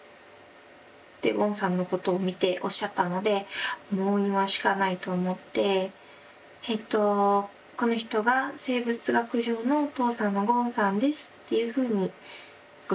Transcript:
ってゴンさんのことを見ておっしゃったのでもう今しかないと思って「この人が生物学上のお父さんのゴンさんです」っていうふうにご紹介しました。